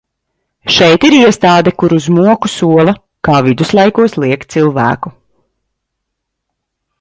Šeit ir iestāde kur uz moku sola, kā viduslaikos liek cilvēku.